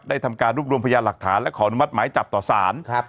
ทำการรวบรวมพยานหลักฐานและขออนุมัติหมายจับต่อสาร